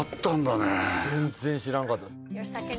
全然知らんかった。